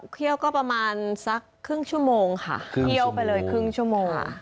เคี่ยวก็ประมาณสักครึ่งชั่วโมงค่ะเคี่ยวไปเลยครึ่งชั่วโมง